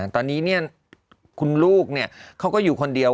ตอนนี้คุณลูกเขาก็อยู่คนเดียว